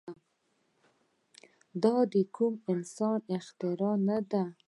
دا د کوم يوه انسان اختراع نه ده.